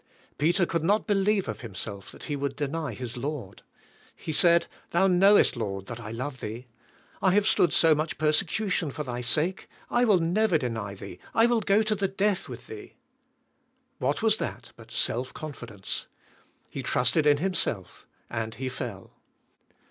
Peter could not believe of himself that he would deny his Lord. He said, "Thou knowest Lord that I love Thee. I have stood so much persecution for Thy sake. I will never deny Thee. I will go to the death with Thee." What was that but self confi dence? He trusted in himself and he fell.